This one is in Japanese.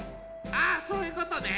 あっそういうことね。